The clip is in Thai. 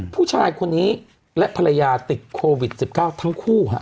ผู้ชายคนนี้และภรรยาติดโควิด๑๙ทั้งคู่